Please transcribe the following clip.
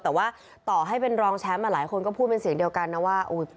แต่ว่าต่อให้เป็นรองแชมป์หลายคนก็พูดเป็นเสียงเดียวกันนะว่า